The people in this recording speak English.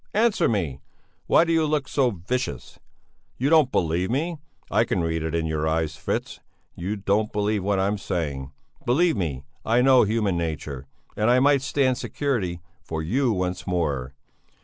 Answer me! Why do you look so vicious? You don't believe me. I can read it in your eyes. Fritz, you don't believe what I'm saying. Believe me, I know human nature. And I might stand security for you once more!